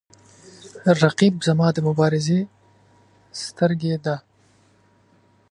رقیب زما د مبارزې سترګې ده